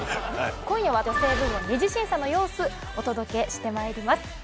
今夜は女性部門二次審査の様子お届けしてまいります。